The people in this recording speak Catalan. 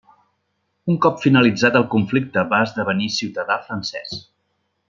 Un cop finalitzat el conflicte va esdevenir ciutadà francès.